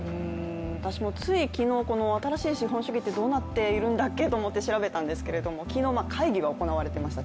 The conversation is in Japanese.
私もつい昨日、この新しい資本主義ってどうなっているんだっけと調べたんですけど昨日会議が行われていました、